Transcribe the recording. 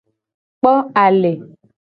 Kpo ale.